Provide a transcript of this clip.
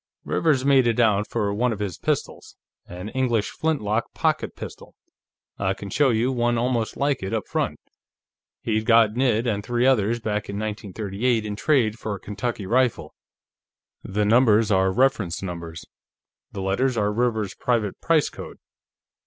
"Rivers made it out for one of his pistols. An English flintlock pocket pistol; I can show you one almost like it, up front. He'd gotten it and three others, back in 1938, in trade for a Kentucky rifle. The numbers are reference numbers; the letters are Rivers's private price code.